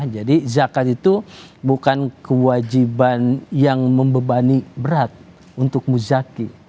jadi zakat itu bukan kewajiban yang membebani berat untuk muzaki